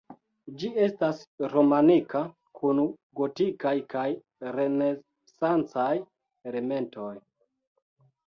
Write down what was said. Ĝi estas romanika kun gotikaj kaj renesancaj elementoj.